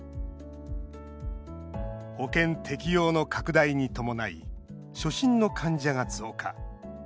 保険適用の拡大に伴い初診の患者が増加。